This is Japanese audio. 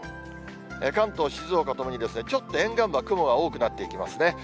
関東、静岡ともに、ちょっと沿岸部は雲が多くなっていきますね。